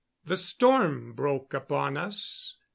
The storm broke upon us.